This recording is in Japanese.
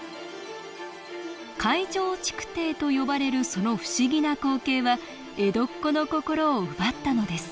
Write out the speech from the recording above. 海上築堤と呼ばれるその不思議な光景は江戸っ子の心を奪ったのです。